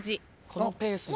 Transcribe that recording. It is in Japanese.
このペースじゃ。